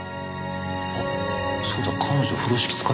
あっそうだ彼女風呂敷使ってたな。